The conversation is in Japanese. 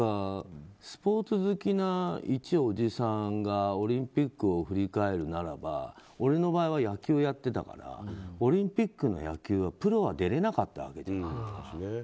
スポーツ好きな一おじさんがオリンピックを振り返るならば俺の場合は野球やってたからオリンピックの野球はプロは出れなかったわけだよ。